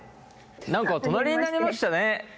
何か隣になりましたね。